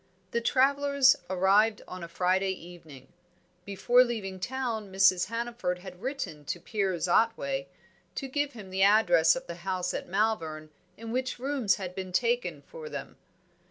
The travellers arrived on a Friday evening. Before leaving town Mrs. Hannaford had written to Piers Otway to give him the address of the house at Malvern in which rooms had been taken for them.